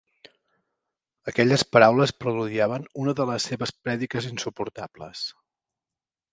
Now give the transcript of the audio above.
Aquelles paraules preludiaven una de les seves prèdiques insuportables.